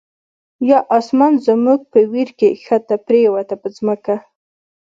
یا آسمان زمونږ په ویر کی، ښکته پریوته په ځمکه